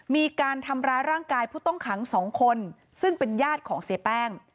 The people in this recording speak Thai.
มีการทำร้ายร่างกายผู้ต้องขัง๒คนซึ่งเป็นญาติของเสียแป้ง